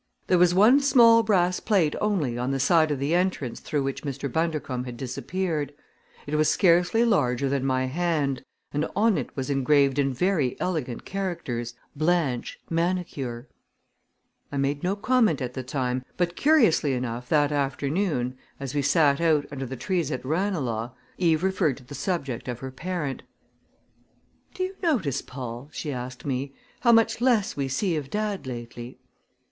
There was one small brass plate only on the side of the entrance through which Mr. Bundercombe had disappeared. It was scarcely larger than my hand and on it was engraved in very elegant characters: BLANCHE MANICURE. I made no comment at the time, but curiously enough that afternoon, as we sat out under the trees at Ranelagh, Eve referred to the subject of her parent. "Do you notice, Paul," she asked, "how much less we see of dad lately?"